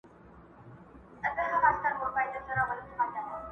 چي لاسونه ماتوم د زورورو،